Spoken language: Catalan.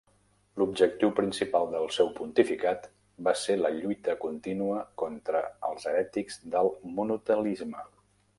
L'objectiu principal del seu pontificat va ser la lluita contínua contra els herètics del monotelisme.